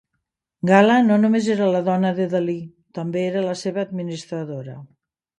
Gala no només era la dona de Dalí, també la seva administradora.